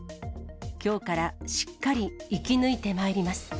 きょうからしっかり生き抜いてまいります。